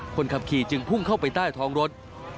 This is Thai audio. คนขับขี่จึงพุ่งเข้าไปใต้ท้องรถ